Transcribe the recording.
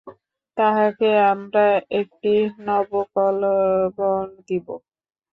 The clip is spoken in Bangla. তাহাকে আমরা একটি নব কলেবর দিব।